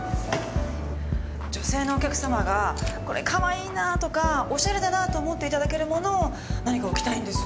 女性のお客様がこれかわいいなとかおしゃれだなと思っていただけるものを何か置きたいんです。